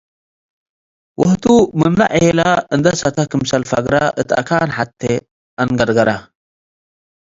ወህቱ ምን ለዔለ እንዴ ሰተ ክምሰል ፈግረ፡ እት አካን ሐቴ አንገርገረ።